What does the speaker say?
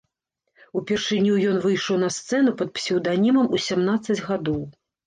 Упершыню ён выйшаў на сцэну пад псеўданімам у сямнаццаць гадоў.